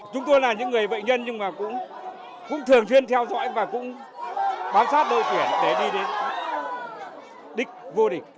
chúng tôi là những người bệnh nhân nhưng mà cũng thường xuyên theo dõi và cũng bám sát đội tuyển để đi đến đích vô địch